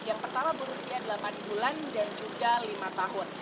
yang pertama berusia delapan bulan dan juga lima tahun